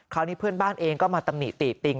คราวนี้เพื่อนบ้านเองก็มาตำหนิติติติง